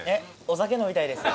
お酒飲みたいです。